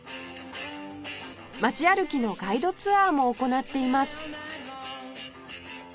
街歩きのガイドツアーも行っています